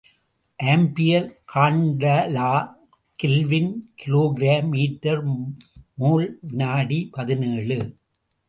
Ampere, candela, kelvin, kilogram, metre, mole, வினாடி பதினேழு .